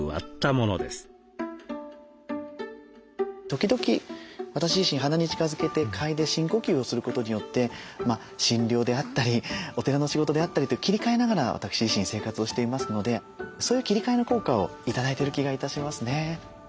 時々私自身鼻に近づけて嗅いで深呼吸をすることによって診療であったりお寺の仕事であったりと切り替えながら私自身生活をしていますのでそういう切り替えの効果を頂いてる気が致しますね。